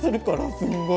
すごい！